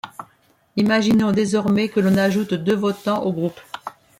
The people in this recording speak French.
Imaginons désormais que l'on ajoute deux votants au groupe.